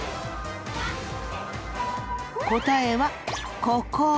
答えはここ。